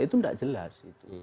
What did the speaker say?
itu tidak jelas